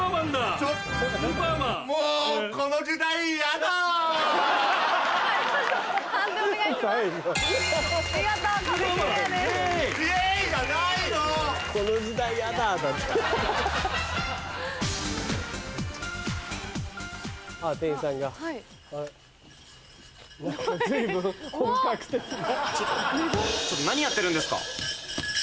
ちょっとちょっと何やってるんですか？